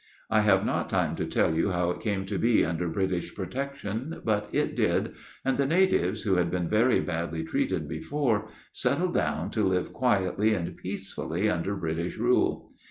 I have not time to tell you how it came to be under British protection, but it did, and the natives, who had been very badly treated before, settled down to live quietly and peacefully under British rule.